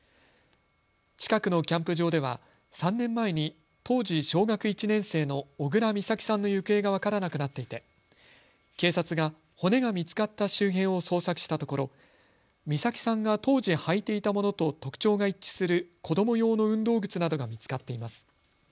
近くのキャンプ場では３年前に当時、小学１年生の小倉美咲さんの行方が分からなくなっていて警察が骨が見つかった周辺を捜索したところ美咲さんが当時履いていたものと特徴が一致する子ども用の運動靴などが見つかっています。